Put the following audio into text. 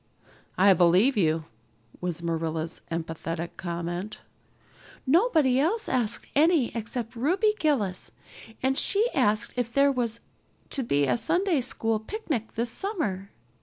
"I believe you," was Marilla's emphatic comment. "Nobody else asked any except Ruby Gillis, and she asked if there was to be a Sunday school picnic this summer.